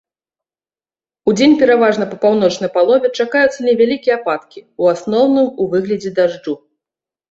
Удзень пераважна па паўночнай палове чакаюцца невялікія ападкі, у асноўным у выглядзе дажджу.